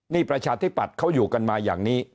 นี่ประชาธิปัตย์เขาอยู่กันมาอย่างนี้